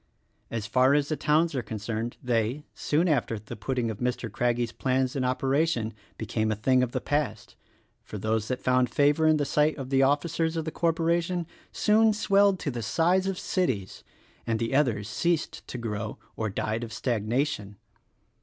As far as the towns are concerned they, soon after the putting of Mr. Craggie's plans in operation, became a thing of the past; for those that found favor in the sight of the officers of the corpora tion soon swelled to the size of cities — and the others ceased to grow or died of stagnation.